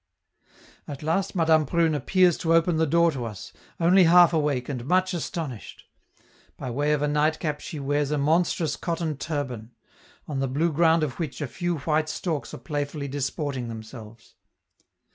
At last Madame Prune appears to open the door to us, only half awake and much astonished; by way of a nightcap she wears a monstrous cotton turban, on the blue ground of which a few white storks are playfully disporting themselves.